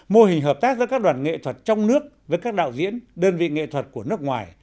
mô hình hợp tác giữa các đoàn nghệ thuật trong nước với các đạo diễn đơn vị nghệ thuật của nước ngoài